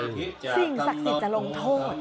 สิ่งศักดิ์สิทธิ์จะลงโทษ